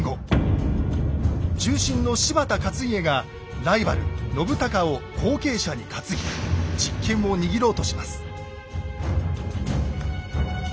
重臣の柴田勝家がライバル・信孝を後継者に担ぎ実権を握ろうとします。